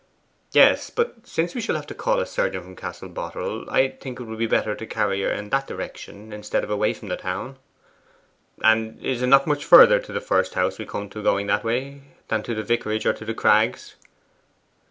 'Yes; but since we shall have to call a surgeon from Castle Boterel, I think it would be better to carry her in that direction, instead of away from the town.' 'And is it not much further to the first house we come to going that way, than to the vicarage or to The Crags?